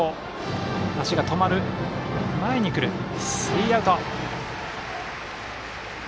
スリーアウト。